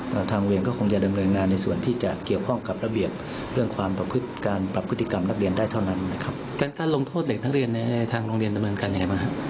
ทางโรงเรียนก็คงจะดำเนินงานในส่วนที่จะเกี่ยวข้องกับระเบียบเรื่องความปรับพฤติกรรมนักเรียนได้เท่านั้นนะครับ